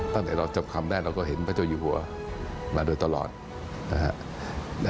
ตั้งแต่เราจับคำได้เราก็เห็นพระเจ้าอยู่หัวมาโดยตลอดนะฮะ